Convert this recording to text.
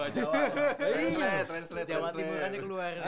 jawa timur aja keluar